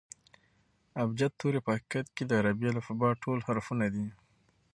ابجد توري په حقیقت کښي د عربي الفبې ټول حرفونه دي.